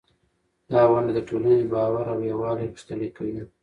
دا ونډه د ټولنې باور او یووالی غښتلی کوي.